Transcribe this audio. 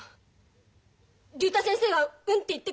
竜太先生がうんって言ってくれないから。